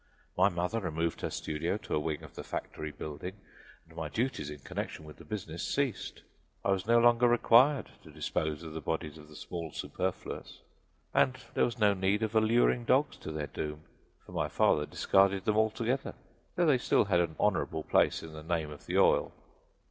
My mother removed her studio to a wing of the factory building and my duties in connection with the business ceased; I was no longer required to dispose of the bodies of the small superfluous, and there was no need of alluring dogs to their doom, for my father discarded them altogether, though they still had an honorable place in the name of the oil.